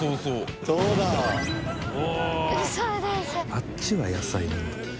あっちは野菜なんだ。